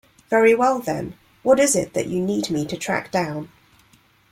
Very well then, what is it that you need me to track down?